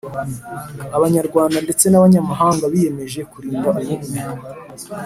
Abanyarwanda ndetse n ‘abanyamahanga biyemeje kurinda ubumwe.